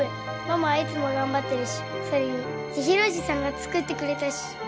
ママはいつも頑張ってるしそれに千尋叔父さんが作ってくれたし！